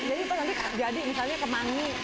jadi itu nanti jadi misalnya kemangi